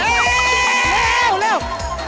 นานแล้ว